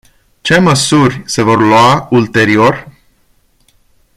Ce măsuri se vor lua ulterior?